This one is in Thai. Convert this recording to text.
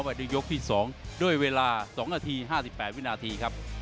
ในยกที่๒ด้วยเวลา๒นาที๕๘วินาทีครับ